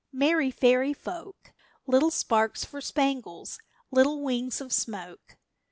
Merry fairy folk! Little sparks for spangles, little wings of smoke!